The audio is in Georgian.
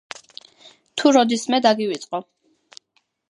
თუ როდისმე დაგივიწყო!